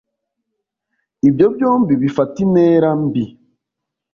Ibyo byombi bifata intera mbi